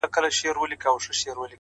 ساده پلانونه لویې پایلې لري.!